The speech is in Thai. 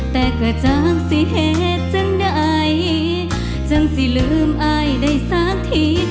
แต่กะจักซิเหตุจังได้จังซิลืมอายได้สักที